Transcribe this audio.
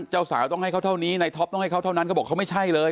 เจ้าสาวต้องให้เขาเท่านี้ในท็อปต้องให้เขาเท่านั้นเขาบอกเขาไม่ใช่เลย